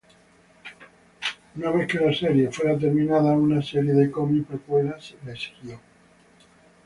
Una vez que la serie fuera terminada, una serie de cómics precuela le siguió.